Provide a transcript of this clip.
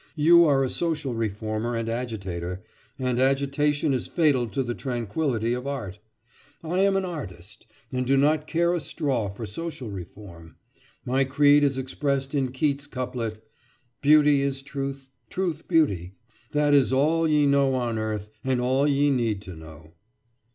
You are a social reformer and agitator, and agitation is fatal to the tranquility of art. I am an artist, and do not care a straw for social reform. My creed is expressed in Keats's couplet: Beauty is truth, truth beauty—that is all Ye know on earth, and all ye need to know.